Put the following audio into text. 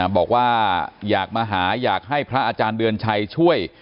บอกว่าอยากมาหาอยากให้พระอาจารย์เดือนชัยช่วย